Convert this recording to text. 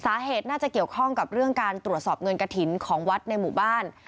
สาเหตุน่าจะเกี่ยวข้องกับเรื่องการตรวจสอบเงินกระถิ่นของวัดในหมู่บ้าน